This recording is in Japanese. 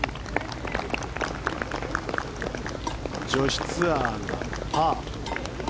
女子ツアーがパー。